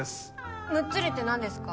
むっつりってなんですか？